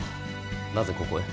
なぜここへ。